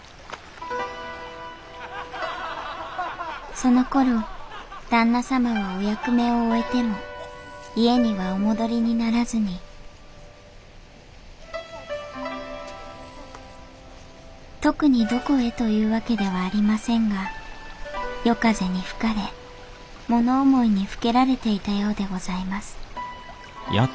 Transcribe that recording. そのころ旦那様はお役目を終えても家にはお戻りにならずに特にどこへというわけではありませんが夜風に吹かれもの思いにふけられていたようでございます